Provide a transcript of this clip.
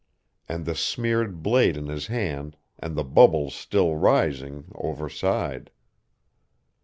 And the smeared blade in his hand, and the bubbles still rising, overside.